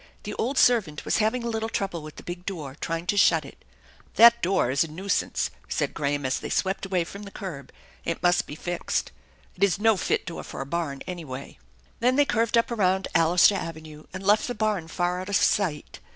The old servant was having a little trouble with the big door, trying to shut it. " That door is a nuisance/' said Graham as they swept away from the curb. " It must be fixed. It ia no fit door for a barn anyway." Then they curved up around Allister Avenue and left the barn far out of sight.